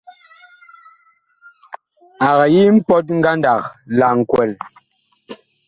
Ag yi mpɔt ngandag la nkwɛl.